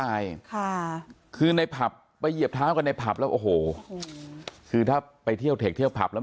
อายุ๑๐ปีนะฮะเขาบอกว่าเขาก็เห็นถูกยิงนะครับ